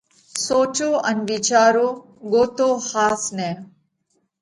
سوچو ان وِيچارو۔ ڳوتو ۿاس نئہ!